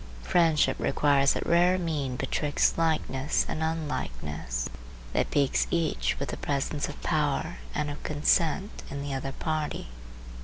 Friendship requires that rare mean betwixt likeness and unlikeness that piques each with the presence of power and of consent in the other party.